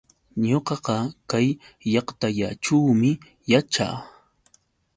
Ñuqaqa kay llaqtallaćhuumi yaćhaa.